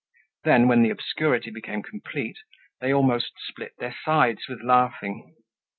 Then, when the obscurity became complete, they almost split their sides with laughing.